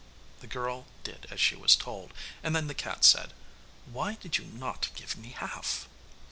The girl did as she was told, and then the cat said 'Why did you not give me half?